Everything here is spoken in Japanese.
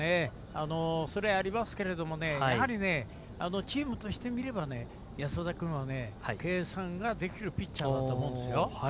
それもありますけどチームとして見れば安田君は計算ができるピッチャーだと思うんですよ。